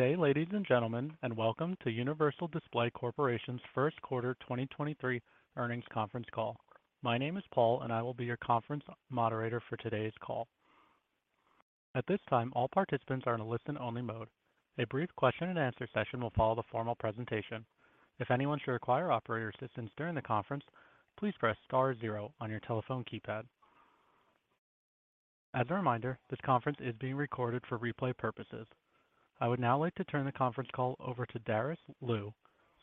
Good day, ladies and gentlemen, and welcome to Universal Display Corporation's first quarter 2023 earnings conference call. My name is Paul, and I will be your conference moderator for today's call. At this time, all participants are in a listen-only mode. A brief question and answer session will follow the formal presentation. If anyone should require operator assistance during the conference, please press star zero on your telephone keypad. As a reminder, this conference is being recorded for replay purposes. I would now like to turn the conference call over to Darice Liu,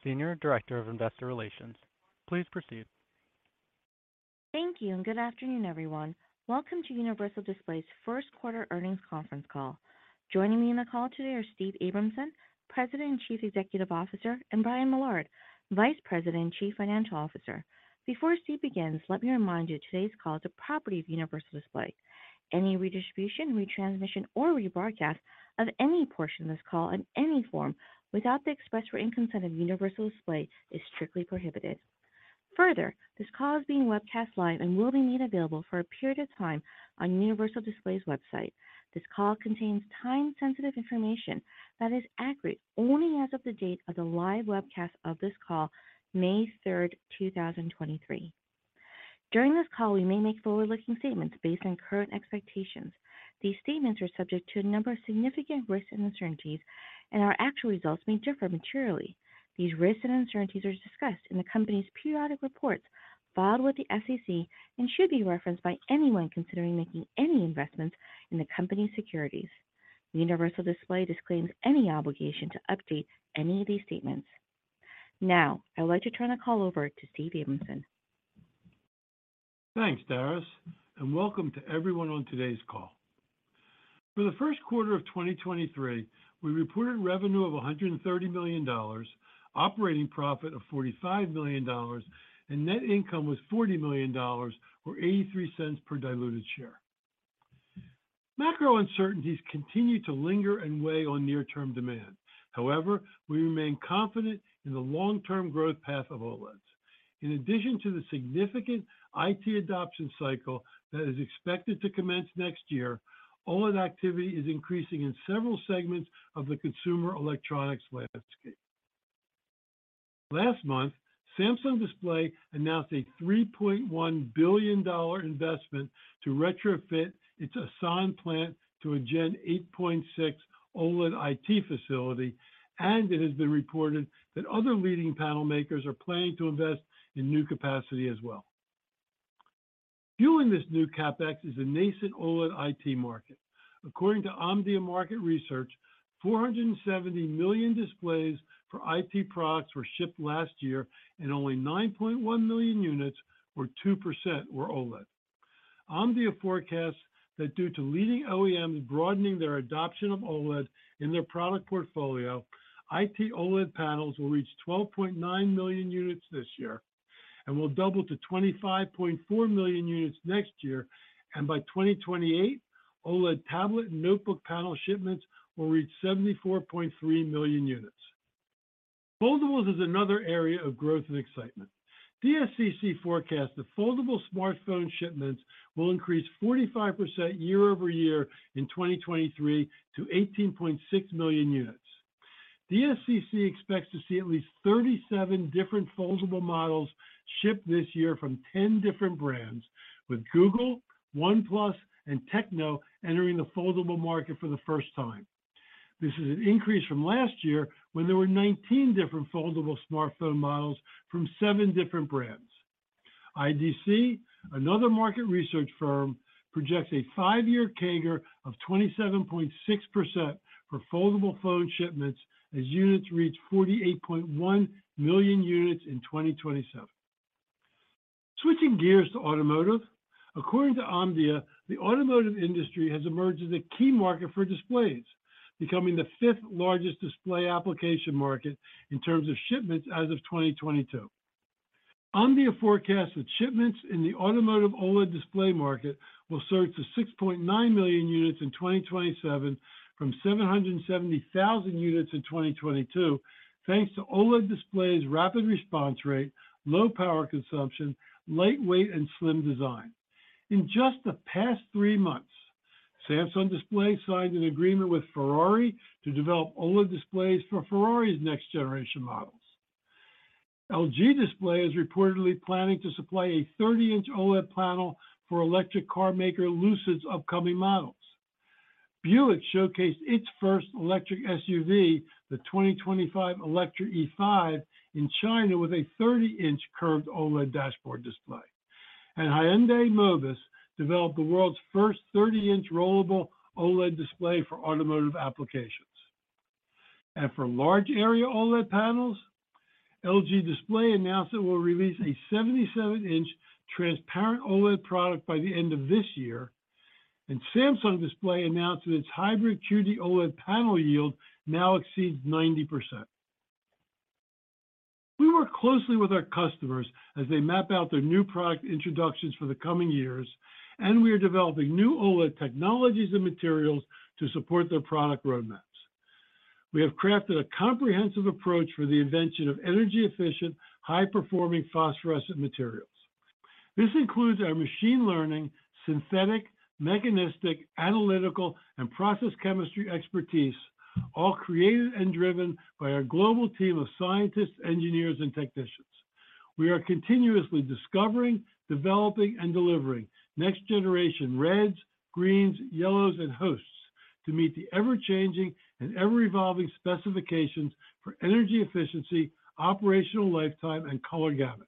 Senior Director of Investor Relations. Please proceed. Thank you. Good afternoon, everyone. Welcome to Universal Display's first quarter earnings conference call. Joining me in the call today are Steve Abramson, President and Chief Executive Officer, and Brian Millard, Vice President and Chief Financial Officer. Before Steve begins, let me remind you today's call is a property of Universal Display. Any redistribution, retransmission, or rebroadcast of any portion of this call in any form without the express written consent of Universal Display is strictly prohibited. This call is being webcast live and will be made available for a period of time on Universal Display's website. This call contains time-sensitive information that is accurate only as of the date of the live webcast of this call, May 3rd 2023. During this call, we may make forward-looking statements based on current expectations. These statements are subject to a number of significant risks and uncertainties, and our actual results may differ materially. These risks and uncertainties are discussed in the company's periodic reports filed with the SEC and should be referenced by anyone considering making any investments in the company's securities. Universal Display disclaims any obligation to update any of these statements. I'd like to turn the call over to Steve Abramson. Thanks, Darice. Welcome to everyone on today's call. For the first quarter of 2023, we reported revenue of $130 million, operating profit of $45 million, and net income was $40 million or $0.83 per diluted share. Macro uncertainties continue to linger and weigh on near term demand. However, we remain confident in the long-term growth path of OLEDs. In addition to the significant IT adoption cycle that is expected to commence next year, OLED activity is increasing in several segments of the consumer electronics landscape. Last month, Samsung Display announced a $3.1 billion investment to retrofit its Asan plant to a Gen-8.6 OLED IT facility, and it has been reported that other leading panel makers are planning to invest in new capacity as well. Fueling this new CapEx is the nascent OLED IT market. According to Omdia Market Research, 470 million displays for IT products were shipped last year, and only 9.1 million units or 2% were OLED. Omdia forecasts that due to leading OEMs broadening their adoption of OLED in their product portfolio, IT OLED panels will reach 12.9 million units this year and will double to 25.4 million units next year. By 2028, OLED tablet and notebook panel shipments will reach 74.3 million units. Foldables is another area of growth and excitement. DSCC forecasts that foldable smartphone shipments will increase 45% year-over-year in 2023 to 18.6 million units. DSCC expects to see at least 37 different foldable models shipped this year from 10 different brands, with Google, OnePlus, and TECNO entering the foldable market for the first time. This is an incre ase from last year when there were 19 different foldable smartphone models from seven different brands. IDC, another market research firm, projects a five-year CAGR of 27.6% for foldable phone shipments as units reach 48.1 million units in 2027. Switching gears to automotive. According to Omdia, the automotive industry has emerged as a key market for displays, becoming the fifth largest display application market in terms of shipments as of 2022. Omdia forecasts that shipments in the automotive OLED display market will surge to 6.9 million units in 2027 from 770,000 units in 2022, thanks to OLED displays rapid response rate, low power consumption, lightweight, and slim design. In just the past three months, Samsung Display signed an agreement with Ferrari to develop OLED displays for Ferrari's next generation models. LG Display is reportedly planning to supply a 30-inch OLED panel for electric car maker Lucid's upcoming models. Buick showcased its first electric SUV, the 2025 Electra E5, in China with a 30-inch curved OLED dashboard display. Hyundai Mobis developed the world's first 30-inch rollable OLED display for automotive applications. For large area OLED panels, LG Display announced it will release a 77-inch transparent OLED product by the end of this year. Samsung Display announced that its hybrid QD-OLED panel yield now exceeds 90%. We work closely with our customers as they map out their new product introductions for the coming years, and we are developing new OLED technologies and materials to support their product roadmaps. We have crafted a comprehensive approach for the invention of energy-efficient, high-performing phosphorescent materials. This includes our machine learning, synthetic, mechanistic, analytical, and process chemistry expertise, all created and driven by our global team of scientists, engineers, and technicians. We are continuously discovering, developing, and delivering next-generation reds, greens, yellows, and hosts to meet the ever-changing and ever-evolving specifications for energy efficiency, operational lifetime, and color gamut.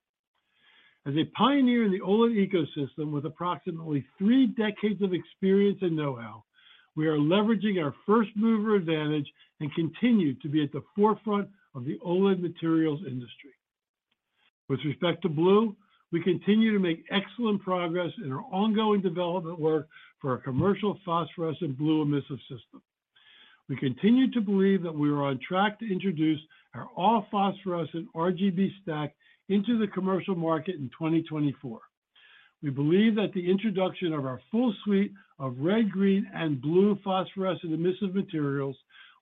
As a pioneer in the OLED ecosystem with approximately three decades of experience and know-how, we are leveraging our first-mover advantage and continue to be at the forefront of the OLED materials industry. With respect to blue, we continue to make excellent progress in our ongoing development work for our commercial phosphorescent blue emissive system. We continue to believe that we are on track to introduce our all-phosphorescent RGB stack into the commercial market in 2024. We believe that the introduction of our full suite of red, green, and blue phosphorescent emissive materials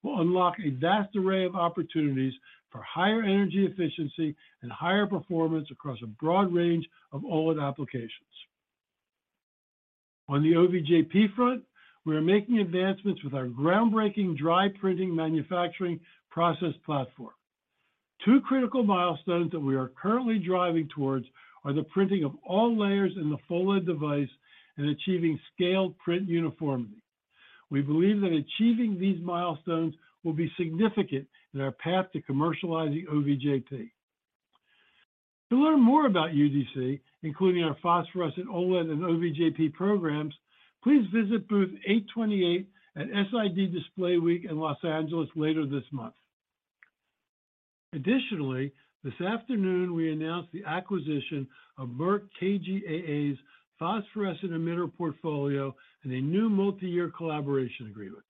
will unlock a vast array of opportunities for higher energy efficiency and higher performance across a broad range of OLED applications. On the OVJP front, we are making advancements with our groundbreaking dry printing manufacturing process platform. Two critical milestones that we are currently driving towards are the printing of all layers in the full OLED device and achieving scaled print uniformity. We believe that achieving these milestones will be significant in our path to commercializing OVJP. To learn more about UDC, including our phosphorescent OLED and OVJP programs, please visit booth 828 at SID Display Week in L.A. later this month. This afternoon we announced the acquisition of Merck KGaA's phosphorescent emitter portfolio and a new multi-year collaboration agreement.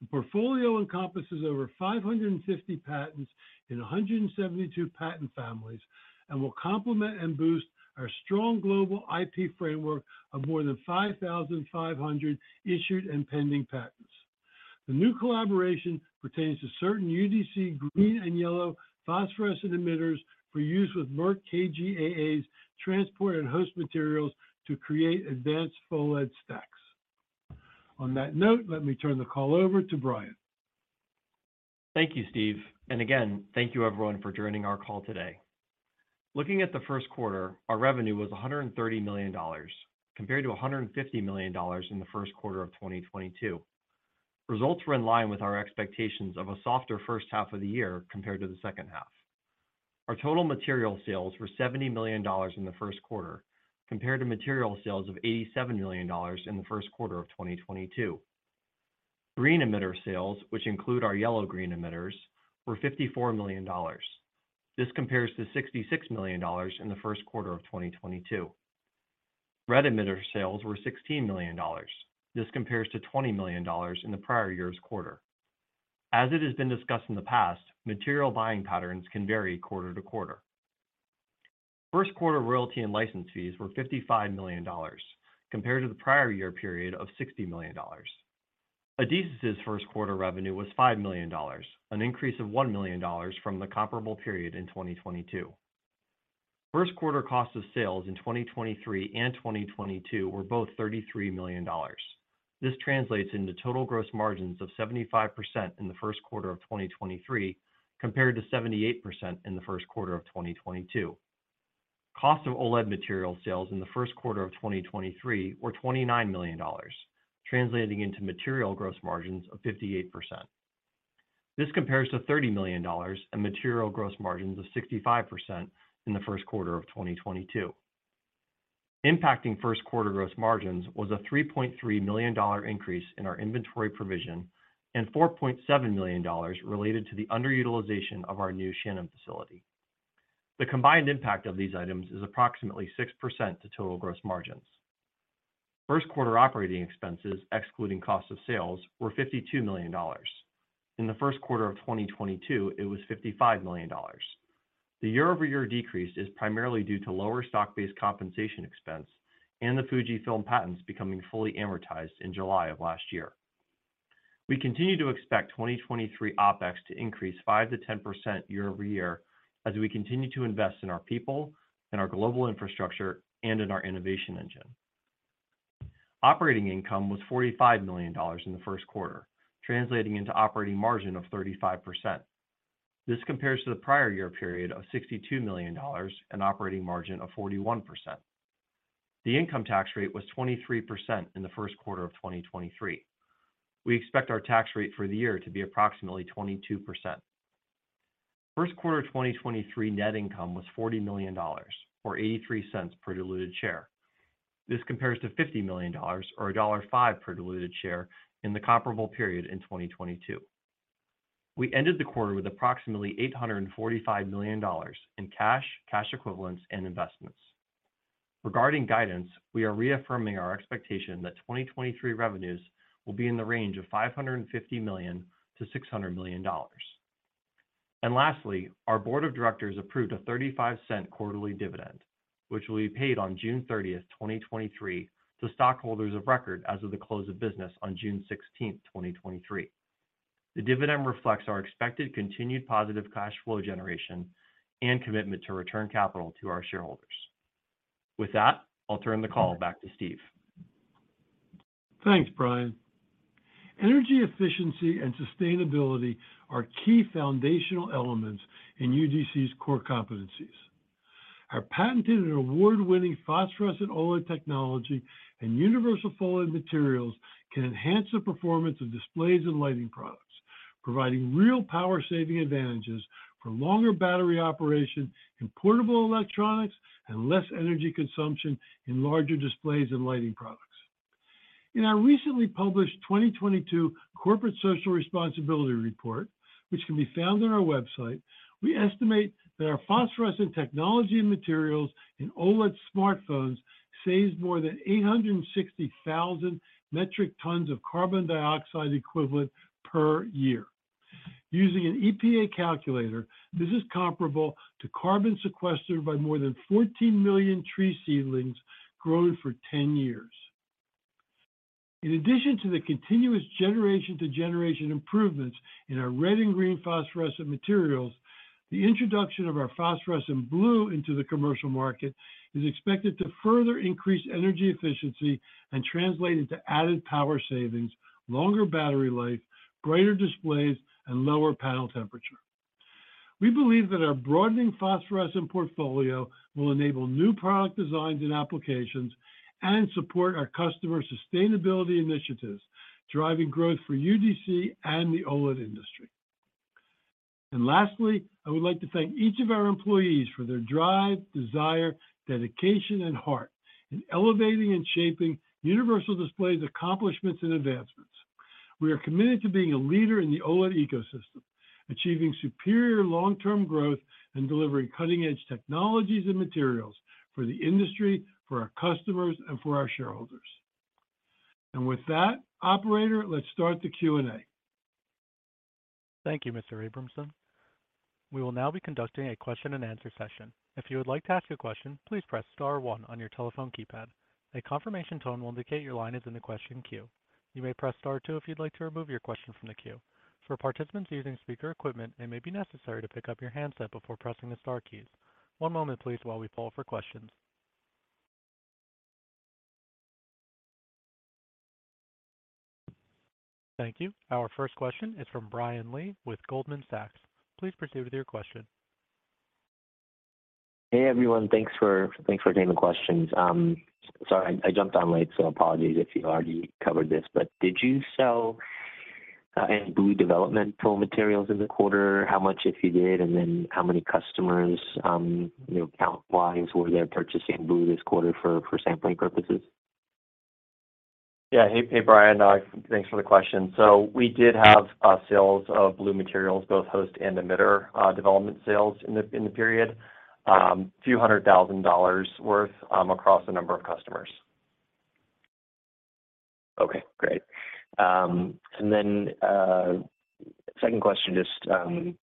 The portfolio encompasses over 550 patents in 172 patent families and will complement and boost our strong global IP framework of more than 5,500 issued and pending patents. The new collaboration pertains to certain UDC green and yellow phosphorescent emitters for use with Merck KGaA's transport and host materials to create advanced full OLED stacks. On that note, let me turn the call over to Brian. Thank you, Steve. Again, thank you everyone for joining our call today. Looking at the first quarter, our revenue was $130 million compared to $150 million in the first quarter of 2022. Results were in line with our expectations of a softer first half of the year compared to the second half. Our total material sales were $70 million in the first quarter compared to material sales of $87 million in the first quarter of 2022. Green emitter sales, which include our yellow-green emitters, were $54 million. This compares to $66 million in the first quarter of 2022. Red emitter sales were $16 million. This compares to $20 million in the prior year's quarter. As it has been discussed in the past, material buying patterns can vary quarter to quarter. First quarter royalty and license fees were $55 million compared to the prior year period of $60 million. Adesis' first quarter revenue was $5 million, an increase of $1 million from the comparable period in 2022. First quarter cost of sales in 2023 and 2022 were both $33 million. This translates into total gross margins of 75% in the first quarter of 2023 compared to 78% in the first quarter of 2022. Cost of OLED material sales in the first quarter of 2023 were $29 million, translating into material gross margins of 58%. This compares to $30 million and material gross margins of 65% in the first quarter of 2022. Impacting first quarter gross margins was a $3.3 million increase in our inventory provision and $4.7 million related to the underutilization of our new Shannon facility. The combined impact of these items is approximately 6% to total gross margins. First quarter operating expenses, excluding cost of sales, were $52 million. In the first quarter of 2022, it was $55 million. The year-over-year decrease is primarily due to lower stock-based compensation expense and the Fujifilm patents becoming fully amortized in July of last year. We continue to expect 2023 OpEx to increase 5%-10% year-over-year as we continue to invest in our people, in our global infrastructure, and in our innovation engine. Operating income was $45 million in the first quarter, translating into operating margin of 35%. This compares to the prior year period of $62 million and operating margin of 41%. The income tax rate was 23% in the first quarter of 2023. We expect our tax rate for the year to be approximately 22%. First quarter of 2023 net income was $40 million or $0.83 per diluted share. This compares to $50 million or $1.05 per diluted share in the comparable period in 2022. We ended the quarter with approximately $845 million in cash equivalents, and investments. Regarding guidance, we are reaffirming our expectation that 2023 revenues will be in the range of $550 million-$600 million. Lastly, our board of directors approved a $0.35 quarterly dividend, which will be paid on June 30th, 2023 to stockholders of record as of the close of business on June 16, 2023. The dividend reflects our expected continued positive cash flow generation and commitment to return capital to our shareholders. With that, I'll turn the call back to Steve. Thanks, Brian. Energy efficiency and sustainability are key foundational elements in UDC's core competencies. Our patented and award-winning phosphorescent OLED technology and universal OLED materials can enhance the performance of displays and lighting products, providing real power saving advantages for longer battery operation in portable electronics and less energy consumption in larger displays and lighting products. In our recently published 2022 Corporate Social Responsibility Report, which can be found on our website, we estimate that our phosphorescent technology and materials in OLED smartphones saves more than 860,000 metric tons of carbon dioxide equivalent per year. Using an EPA calculator, this is comparable to carbon sequestered by more than 14 million tree seedlings grown for 10 years. In addition to the continuous generation-to-generation improvements in our red and green phosphorescent materials, the introduction of our phosphorescent blue into the commercial market is expected to further increase energy efficiency and translate into added power savings, longer battery life, brighter displays, and lower panel temperature. We believe that our broadening phosphorescent portfolio will enable new product designs and applications and support our customers' sustainability initiatives, driving growth for UDC and the OLED industry. Lastly, I would like to thank each of our employees for their drive, desire, dedication, and heart in elevating and shaping Universal Display's accomplishments and advancements. We are committed to being a leader in the OLED ecosystem, achieving superior long-term growth, and delivering cutting-edge technologies and materials for the industry, for our customers, and for our shareholders. With that, operator, let's start the Q&A. Thank you, Mr. Abramson. We will now be conducting a question-and-answer session. If you would like to ask a question, please press star one on your telephone keypad. A confirmation tone will indicate your line is in the question queue. You may press star two if you'd like to remove your question from the queue. For participants using speaker equipment, it may be necessary to pick up your handset before pressing the star keys. One moment, please, while we poll for questions. Thank you. Our first question is from Brian Lee with Goldman Sachs. Please proceed with your question. Hey, everyone. Thanks for taking the questions. Sorry I jumped on late, so apologies if you already covered this. Did you sell any blue developmental materials in the quarter? How much, if you did, and then how many customers, you know, count lines were there purchasing blue this quarter for sampling purposes? Yeah. Hey, Brian. Thanks for the question. We did have sales of blue materials, both host and emitter, development sales in the period. A few hundred thousand dollars worth, across a number of customers. Okay, great. Second question, just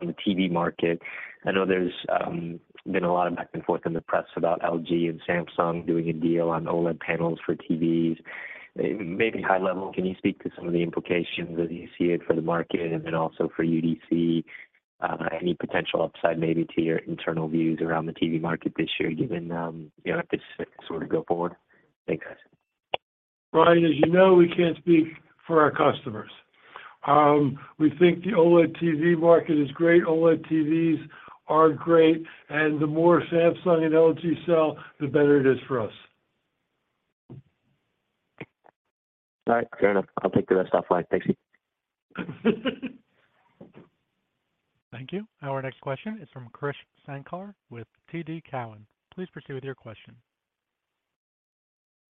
on the TV market. I know there's been a lot of back and forth in the press about LG and Samsung doing a deal on OLED panels for TVs. Maybe high level, can you speak to some of the implications as you see it for the market and then also for UDC, any potential upside maybe to your internal views around the TV market this year, given, you know, if this sort of go forward? Thanks, guys. Brian, as you know, we can't speak for our customers. We think the OLED TV market is great. OLED TVs are great. The more Samsung and LG sell, the better it is for us. All right, fair enough. I'll take the rest offline. Thanks. Thank you. Our next question is from Krish Sankar with TD Cowen. Please proceed with your question.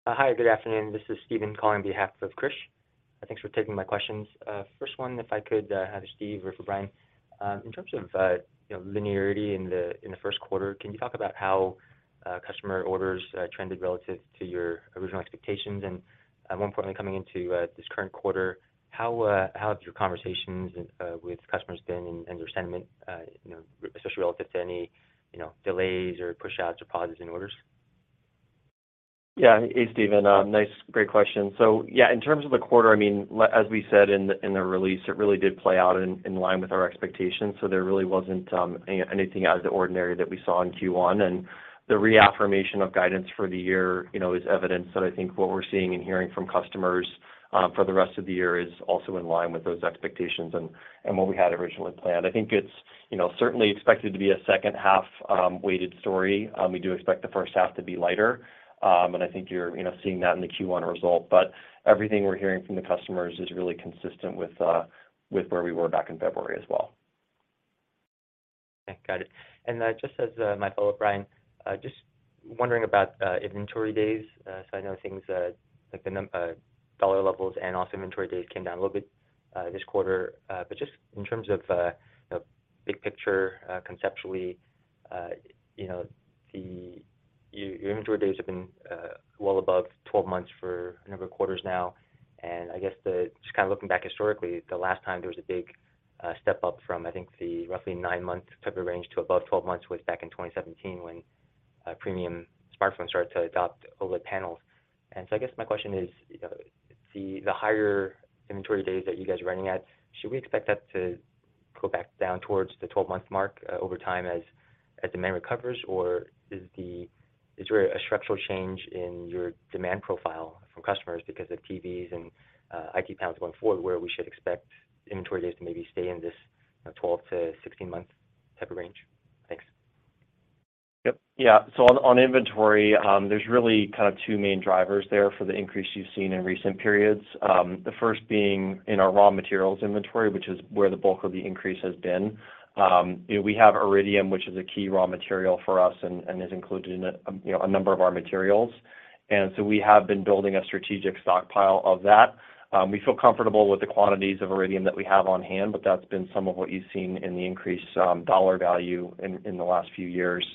Hi, good afternoon. This is Steven calling behalf of Krish Sankar. Thanks for taking my questions. First one, if I could have Steve Abramson or for Brian Millard. In terms of, you know, linearity in the first quarter, can you talk about how customer orders trended relative to your original expectations? More importantly, coming into this current quarter, how have your conversations with customers been and their sentiment, you know, especially relative to any, you know, delays or pushouts or pauses in orders? Hey, Steven, great question. In terms of the quarter, I mean, like, as we said in the release, it really did play out in line with our expectations. There really wasn't anything out of the ordinary that we saw in Q1. The reaffirmation of guidance for the year, you know, is evidence that I think what we're seeing and hearing from customers for the rest of the year is also in line with those expectations and what we had originally planned. I think it's, you know, certainly expected to be a second half weighted story. We do expect the first half to be lighter. I think you're, you know, seeing that in the Q1 result. Everything we're hearing from the customers is really consistent with where we were back in February as well. Okay, got it. Just as my follow-up, Brian, just wondering about inventory days. I know things like the dollar levels and also inventory days came down a little bit this quarter. Just in terms of, you know, big picture, conceptually, you know, your inventory days have been well above 12 months for a number of quarters now. I guess just kinda looking back historically, the last time there was a big step up from, I think, the roughly nine-month type of range to above 12 months was back in 2017 when Premium smartphone started to adopt OLED panels. I guess my question is, you know, the higher inventory days that you guys are running at, should we expect that to go back down towards the 12-month mark over time as demand recovers? Or is there a structural change in your demand profile from customers because of TVs and IT panels going forward, where we should expect inventory days to maybe stay in this 12 month-16-month type of range? Thanks. Yeah. On, on inventory, there's really kind of two main drivers there for the increase you've seen in recent periods. The first being in our raw materials inventory, which is where the bulk of the increase has been. You know, we have iridium, which is a key raw material for us and is included in a, you know, a number of our materials. We have been building a strategic stockpile of that. We feel comfortable with the quantities of iridium that we have on hand, but that's been some of what you've seen in the increased dollar value in the last few years.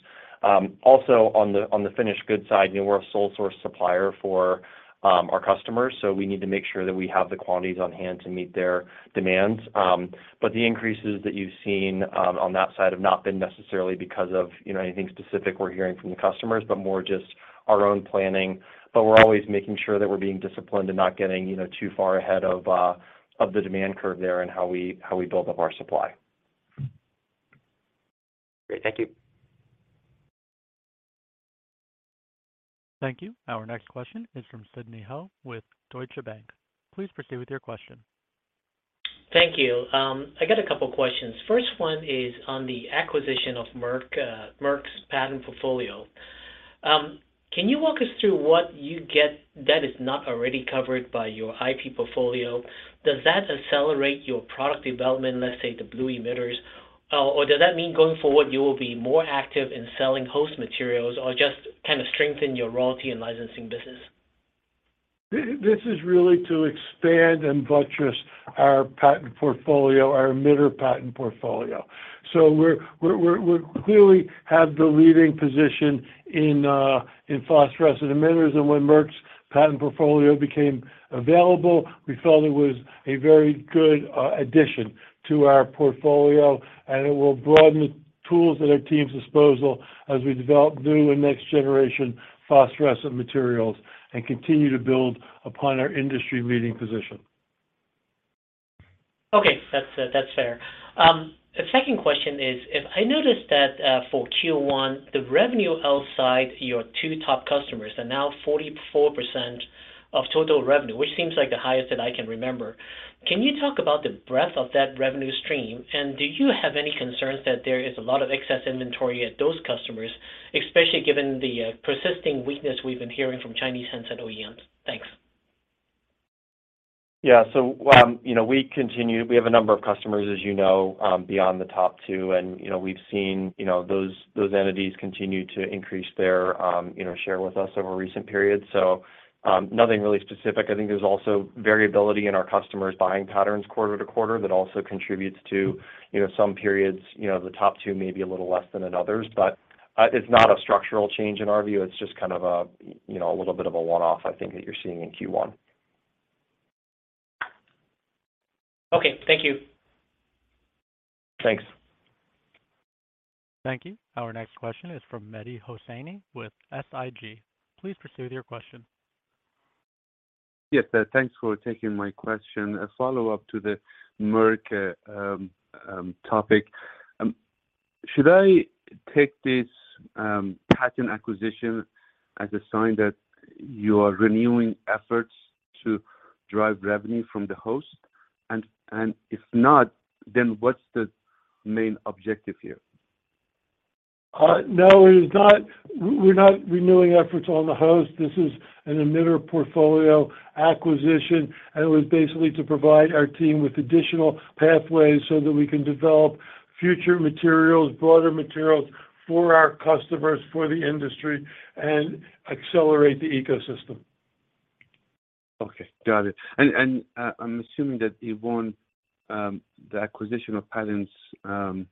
Also on the finished goods side, you know, we're a sole source supplier for our customers. We need to make sure that we have the quantities on hand to meet their demands. The increases that you've seen on that side have not been necessarily because of, you know, anything specific we're hearing from the customers, but more just our own planning. We're always making sure that we're being disciplined and not getting, you know, too far ahead of the demand curve there in how we, how we build up our supply. Great. Thank you. Thank you. Our next question is from Sidney Ho with Deutsche Bank. Please proceed with your question. Thank you. I got a couple questions. First one is on the acquisition of Merck's patent portfolio. Can you walk us through what you get that is not already covered by your IP portfolio? Does that accelerate your product development, let's say, the blue emitters? Or does that mean going forward, you will be more active in selling host materials or just kind of strengthen your royalty and licensing business? This is really to expand and buttress our patent portfolio, our emitter patent portfolio. We're we clearly have the leading position in phosphorescent emitters. When Merck's patent portfolio became available, we felt it was a very good addition to our portfolio. It will broaden the tools at our team's disposal as we develop new and next generation phosphorescent materials and continue to build upon our industry-leading position. Okay. That's that's fair. The second question is, if I noticed that for Q1, the revenue outside your two top customers are now 44% of total revenue, which seems like the highest that I can remember. Can you talk about the breadth of that revenue stream? Do you have any concerns that there is a lot of excess inventory at those customers, especially given the persisting weakness we've been hearing from Chinese handset OEMs? Thanks. Yeah. You know, we have a number of customers, as you know, beyond the top two, and, you know, we've seen, you know, those entities continue to increase their, you know, share with us over recent periods. Nothing really specific. I think there's also variability in our customers' buying patterns quarter-to-quarter that also contributes to, you know, some periods, you know, the top 2 may be a little less than in others. It's not a structural change in our view. It's just kind of a, you know, a little bit of a one-off, I think, that you're seeing in Q1. Okay. Thank you. Thanks. Thank you. Our next question is from Mehdi Hosseini with SIG. Please proceed with your question. Yes. Thanks for taking my question. A follow-up to the Merck topic. Should I take this patent acquisition as a sign that you are renewing efforts to drive revenue from the host? If not, what's the main objective here? No, we're not renewing efforts on the host. This is an emitter portfolio acquisition. It was basically to provide our team with additional pathways so that we can develop future materials, broader materials for our customers, for the industry, and accelerate the ecosystem. Okay. Got it. I'm assuming that, Yvonne, the acquisition of patents, won't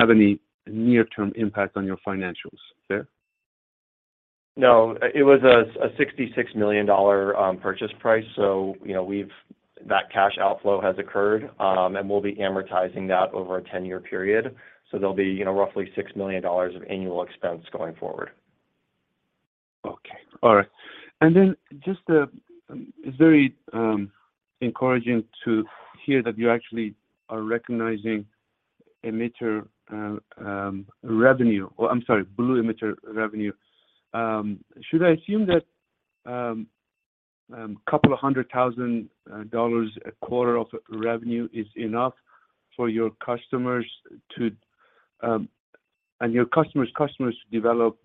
have any near-term impact on your financials, yeah? No. It was a $66 mi llion purchase price, so, you know, that cash outflow has occurred, and we'll be amortizing that over a 10-year period. There'll be, you know, roughly $6 million of annual expense going forward. Okay. All right. Just, it's very encouraging to hear that you actually are recognizing emitter revenue or, I'm sorry, blue emitter revenue. Should I assume that couple of a hundred thousand dollars a quarter of revenue is enough for your customers to and your customers' customers to develop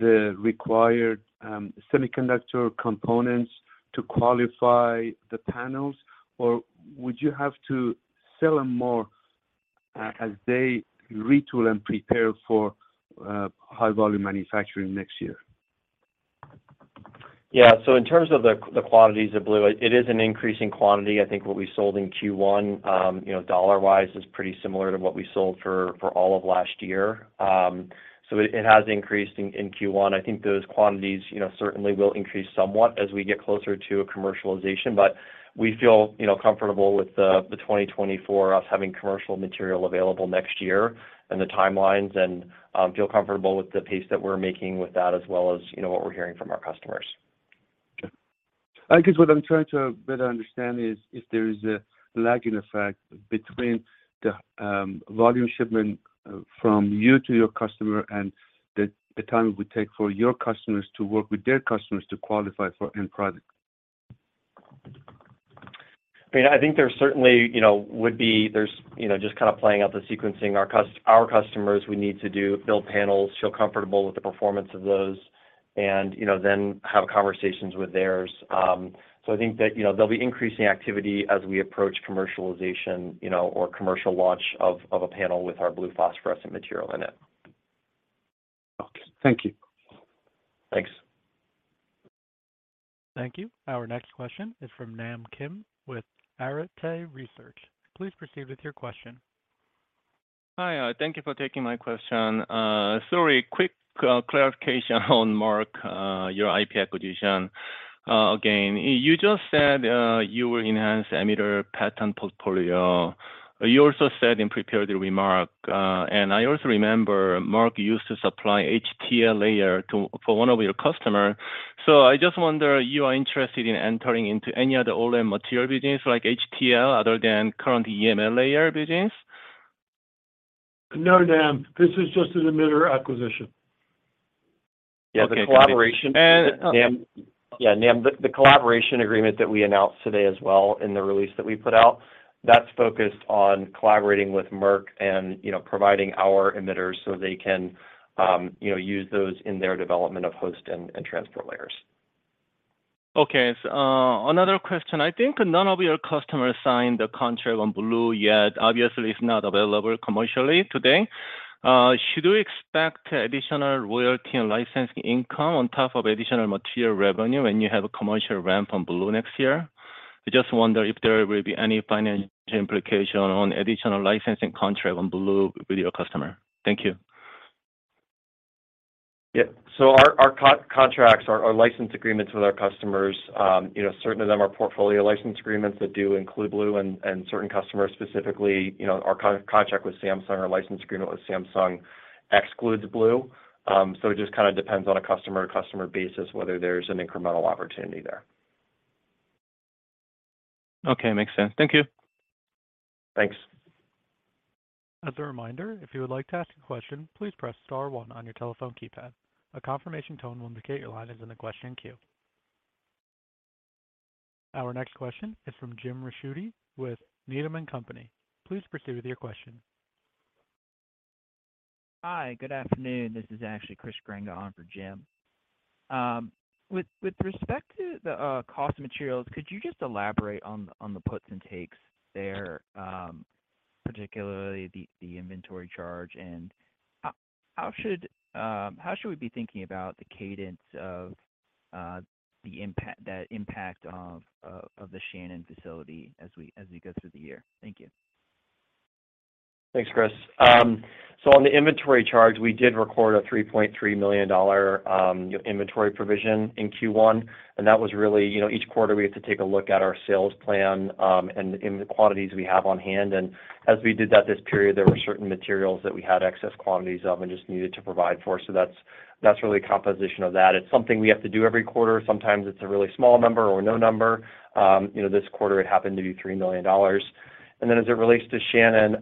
the required semiconductor components to qualify the panels? Or would you have to sell them more as they retool and prepare for high volume manufacturing next year? Yeah. In terms of the quantities of blue, it is an increasing quantity. I think what we sold in Q1, you know, dollar-wise, is pretty similar to what we sold for all of last year. It has increased in Q1. I think those quantities, you know, certainly will increase somewhat as we get closer to a commercialization. We feel, you know, comfortable with the 2024 us having commercial material available next year and the timelines and feel comfortable with the pace that we're making with that as well as, you know, what we're hearing from our customers. Okay. I guess what I'm trying to better understand is if there is a lag in effect between the volume shipment from you to your customer and the time it would take for your customers to work with their customers to qualify for end product. I mean, I think there certainly, you know, there's, you know, just kind of playing out the sequencing. Our customers we need to build panels, feel comfortable with the performance of those and, you know, then have conversations with theirs. I think that, you know, there'll be increasing activity as we approach commercialization, you know, or commercial launch of a panel with our blue phosphorescent material in it. Okay. Thank you. Thanks. Thank you. Our next question is from Nam Kim with Arete Research. Please proceed with your question. Hi. Thank you for taking my question. Sorry, quick clarification on Merck, your IP acquisition, again. You just said, you will enhance emitter patent portfolio. You also said in prepared remark, and I also remember Merck used to supply HTL layer for one of your customer. I just wonder, you are interested in entering into any other OLED material business like HTL other than current EML layer business? No, Nam, this is just an emitter acquisition. Yeah, the collaboration- Okay. Nam, the collaboration agreement that we announced today as well in the release that we put out, that's focused on collaborating with Merck and, you know, providing our emitters so they can, you know, use those in their development of host and transport layers. Another question. I think none of your customers signed the contract on blue yet. Obviously it's not available commercially today. Should we expect additional royalty and licensing income on top of additional material revenue when you have a commercial ramp on blue next year? I just wonder if there will be any financial implication on additional licensing contract on blue with your customer. Thank you. Our contracts, our license agreements with our customers, you know, certain of them are portfolio license agreements that do include blue and certain customers specifically, you know, our contract with Samsung, our license agreement with Samsung excludes blue. It just kind of depends on a customer to customer basis whether there's an incremental opportunity there. Okay. Makes sense. Thank you. Thanks. As a reminder, if you would like to ask a question, please press star one on your telephone keypad. A confirmation tone will indicate your line is in the question queue. Our next question is from Jim Ricchiuti with Needham & Company. Please proceed with your question. Hi, good afternoon. This is actually Christopher Grenga on for Jim. With respect to the cost of materials, could you just elaborate on the puts and takes there, particularly the inventory charge? How should we be thinking about the cadence of that impact of the Shannon facility as we go through the year? Thank you. Thanks, Chris. On the inventory charge, we did record a $3.3 million inventory provision in Q1, that was really, you know, each quarter we have to take a look at our sales plan, and the quantities we have on hand. As we did that this period, there were certain materials that we had excess quantities of and just needed to provide for. That's, that's really composition of that. It's something we have to do every quarter. Sometimes it's a really small number or no number. You know, this quarter it happened to be $3 million. As it relates to Shannon,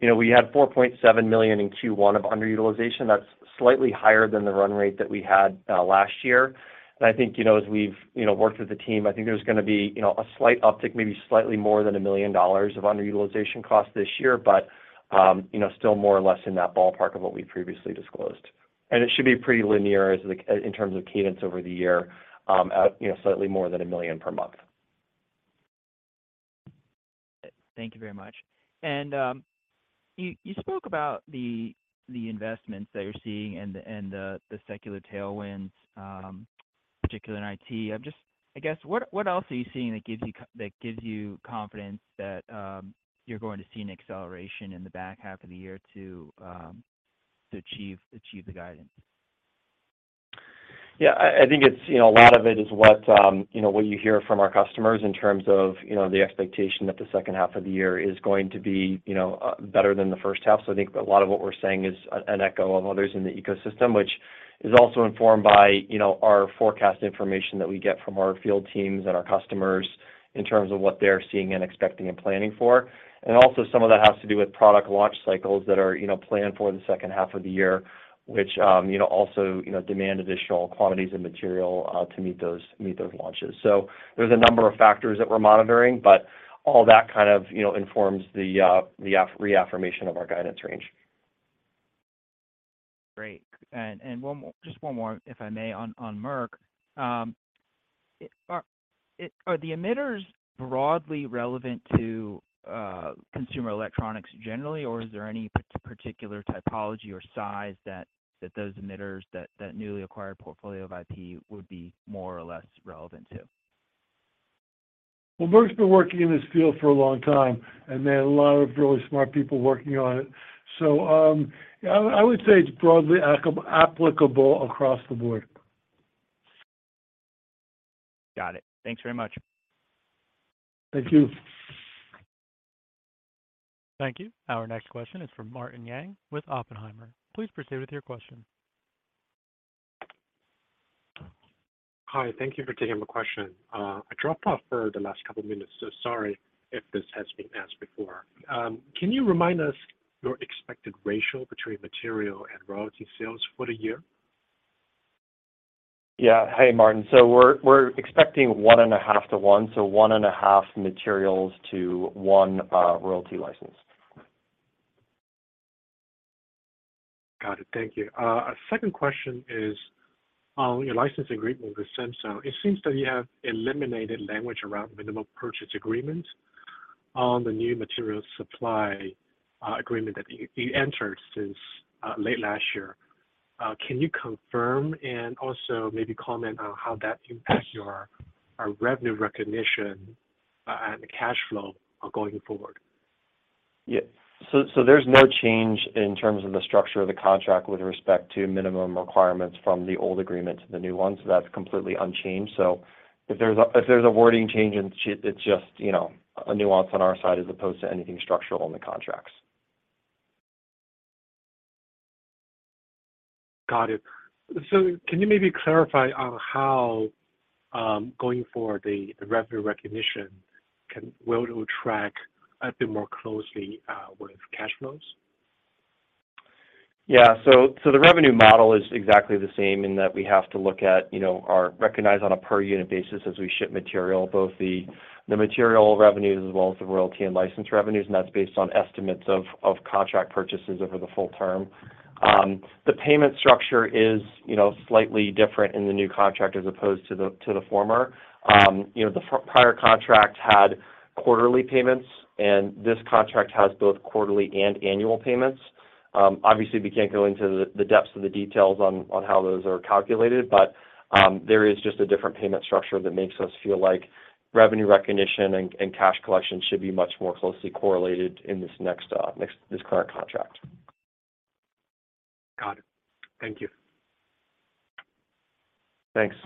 you know, we had $4.7 million in Q1 of underutilization. That's slightly higher than the run rate that we had last year. I think, you know, as we've, you know, worked with the team, I think there's gonna be, you know, a slight uptick, maybe slightly more than $1 million of underutilization costs this year. Still, you know, more or less in that ballpark of what we previously disclosed. It should be pretty linear in terms of cadence over the year, at, you know, slightly more than $1 million per month. Thank you very much. You spoke about the investments that you're seeing and the secular tailwinds, particularly in IT. I guess, what else are you seeing that gives you confidence that you're going to see an acceleration in the back half of the year to achieve the guidance? Yeah, I think it's, you know, a lot of it is what, you know, what you hear from our customers in terms of, you know, the expectation that the second half of the year is going to be, you know, better than the first half. I think a lot of what we're saying is an echo of others in the ecosystem, which is also informed by, you know, our forecast information that we get from our field teams and our customers in terms of what they're seeing and expecting and planning for. Also some of that has to do with product launch cycles that are, you know, planned for the second half of the year, which, you know, also, you know, demand additional quantities of material to meet those launches. There's a number of factors that we're monitoring, but all that kind of, you know, informs the reaffirmation of our guidance range. Great. Just one more, if I may, on Merck. Are the emitters broadly relevant to consumer electronics generally, or is there any particular typology or size that those emitters, that newly acquired portfolio of IP would be more or less relevant to? Merck's been working in this field for a long time, and they had a lot of really smart people working on it. Yeah, I would say it's broadly applicable across the board. Got it. Thanks very much. Thank you. Thank you. Our next question is from Martin Yang with Oppenheimer. Please proceed with your question. Hi, thank you for taking my question. I dropped off for the last couple minutes, sorry if this has been asked before. Can you remind us your expected ratio between material and royalty sales for the year? Yeah. Hey, Martin. We're expecting one and a half to one, so one and a half materials to one royalty license. Got it. Thank you. Second question is on your license agreement with Samsung, it seems that you have eliminated language around minimum purchase agreement on the new material supply agreement that you entered since late last year. Can you confirm and also maybe comment on how that impacts your revenue recognition and the cash flow going forward? Yeah. There's no change in terms of the structure of the contract with respect to minimum requirements from the old agreement to the new one. That's completely unchanged. If there's a, if there's a wording change, it's just, you know, a nuance on our side as opposed to anything structural in the contracts. Got it. Can you maybe clarify on how going forward the revenue recognition will track a bit more closely with cash flows? The revenue model is exactly the same in that we have to look at, you know, or recognize on a per unit basis as we ship material, both the material revenues as well as the royalty and license revenues, and that's based on estimates of contract purchases over the full term. The payment structure is, you know, slightly different in the new contract as opposed to the former. You know, the prior contract had quarterly payments, and this contract has both quarterly and annual payments. Obviously, we can't go into the depths of the details on how those are calculated, there is just a different payment structure that makes us feel like revenue recognition and cash collection should be much more closely correlated in this current contract. Got it. Thank you. Thanks.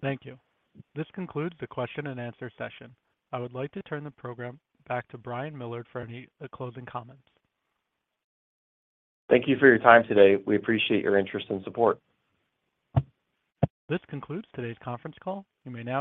Thank you. This concludes the question and answer session. I would like to turn the program back to Brian Millard for any closing comments. Thank you for your time today. We appreciate your interest and support. This concludes today's conference call. You may now disconnect.